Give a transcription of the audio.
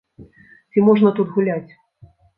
Ці можна тут гуляць?